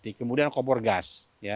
kemudian kompor gas